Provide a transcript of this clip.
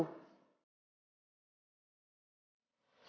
dan benci sama aku